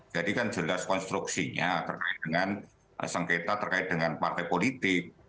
jadi kan jelas konstruksinya terkait dengan sengketa terkait dengan partai politik